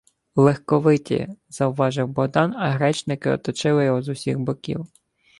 — Легковиті, — завважив Богдан, а гречники оточили його з усіх боків: